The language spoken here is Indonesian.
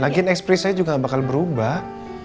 lagian ekspresinya juga gak bakal berubah